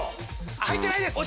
入ってないです。